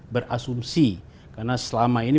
berasumsi karena selama ini